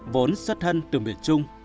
vốn xuất thân từ miền trung